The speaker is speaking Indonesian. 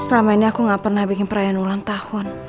selama ini aku gak pernah bikin perayaan ulang tahun